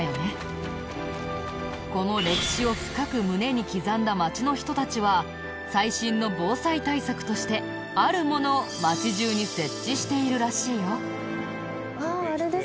この歴史を深く胸に刻んだ町の人たちは最新の防災対策としてあるものを町中に設置しているらしいよ。